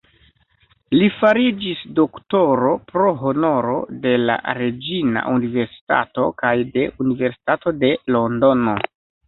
Li fariĝis doktoro pro honoro de la Reĝina Universitato kaj de Universitato de Londono.